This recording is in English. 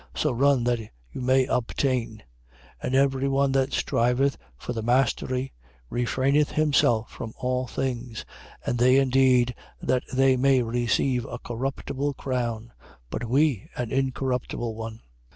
So run that you may obtain. 9:25. And every one that striveth for the mastery refraineth himself from all things. And they indeed that they may receive a corruptible crown: but we an incorruptible one.